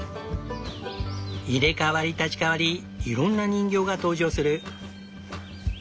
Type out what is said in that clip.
入れ代わり立ち代わりいろんな人形が登場する。